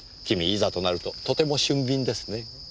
君いざとなるととても俊敏ですね。